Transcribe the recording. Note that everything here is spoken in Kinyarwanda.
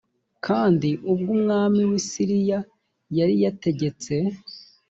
kandi ubwo umwami w i siriya yari yategetse